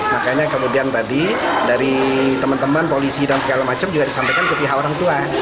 makanya kemudian tadi dari teman teman polisi dan segala macam juga disampaikan ke pihak orang tua